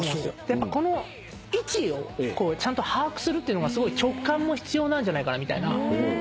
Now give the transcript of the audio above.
やっぱこの位置をちゃんと把握するっていうのがすごい直感も必要なんじゃないかなみたいな。